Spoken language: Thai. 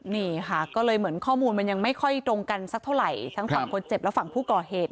นี่ค่ะก็เลยเหมือนข้อมูลมันยังไม่ค่อยตรงกันสักเท่าไหร่ทั้งฝั่งคนเจ็บและฝั่งผู้ก่อเหตุ